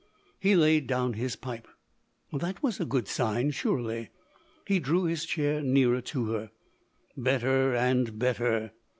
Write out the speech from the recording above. He laid down his pipe. That was a good sign, surely? He drew his chair nearer to her. Better and better!